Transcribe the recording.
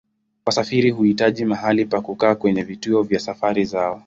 Wasafiri huhitaji mahali pa kukaa kwenye vituo vya safari zao.